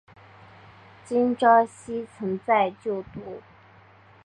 金昭希曾在就读。